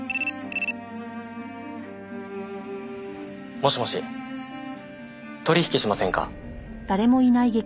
「もしもし」「取引しませんか？」